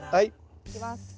いきます。